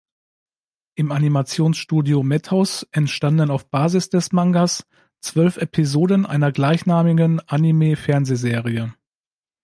Im Animationsstudio Madhouse entstanden auf Basis des Mangas zwölf Episoden einer gleichnamigen Anime-Fernsehserie.